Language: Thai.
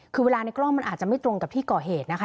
คือเวลาในกล้องมันอาจจะไม่ตรงกับที่ก่อเหตุนะคะ